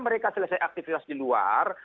mereka selesai aktivitas di luar